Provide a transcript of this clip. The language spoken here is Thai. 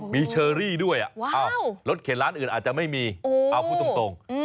มีเชอรี่ด้วยรถเข็นร้านอื่นอาจจะไม่มีเอาพูดตรง